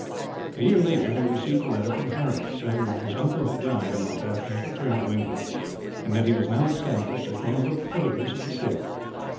A year later he received a letter from Harry, saying that his uncle had died, a month after his return to England; and that he was now established as one of the pillars of the state.